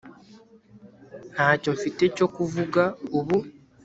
ntacyo mfite cyo kuvuga ubu